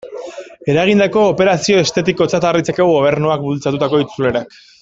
Eragindako operazio estetikotzat har ditzakegu Gobernuak bultzatutako itzulerak.